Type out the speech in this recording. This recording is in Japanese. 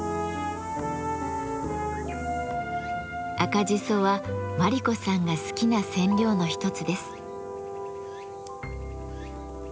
赤じそは真理子さんが好きな染料の一つです。